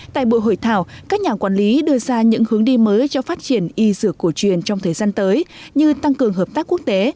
tại buổi hội thảo các nhà quản lý đưa ra những hướng đi mới cho phát triển y dược cổ truyền trong thời gian tới như tăng cường hợp tác quốc tế